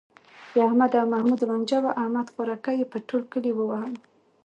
د احمد او محمود لانجه وه، احمد خوارکی یې په ټول کلي و وهلو.